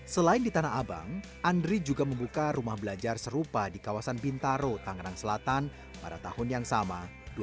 selain di tanah abang andri juga membuka rumah belajar serupa di kawasan bintaro tangerang selatan pada tahun yang sama dua ribu dua puluh